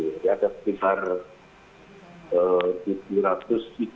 jadi ada sebesar tujuh ratus tiga di kuartik